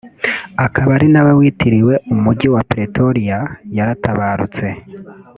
akaba ari nawe witiriwe umujyi wa Pretoria yaratabarutse